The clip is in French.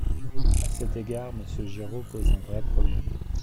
À cet égard, Monsieur Giraud pose un vrai problème.